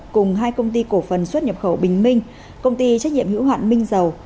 công ty cổ phần xuất nhập khẩu bình minh công ty trách nhiệm hữu hạn minh dầu